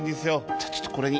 じゃあちょっとこれに。